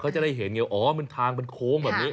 เขาจะได้เห็นไงอ๋อมันทางมันโค้งแบบนี้